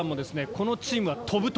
このチームは飛ぶと！